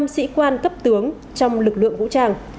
năm sĩ quan cấp tướng trong lực lượng vũ trang